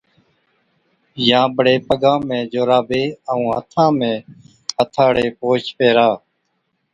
يان بڙي پگا ۾ جورابي ائُون هٿا ۾ هٿا هاڙي پوش پيهرا۔